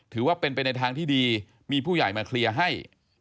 ถือว่าเป็นไปในทางที่ดีมีผู้ใหญ่มาเคลียร์ให้